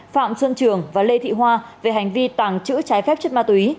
phạm xuân trường và lê thị hoa về hành vi tảng chữ trái phép chất ma túy